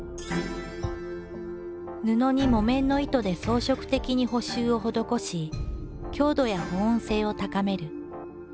布に木綿の糸で装飾的に補修を施し強度や保温性を高める。